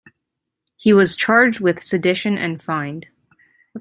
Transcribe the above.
He was charged with sedition and fined.